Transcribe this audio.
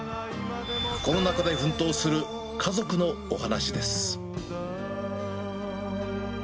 コロナ禍で奮闘する家族のお話です。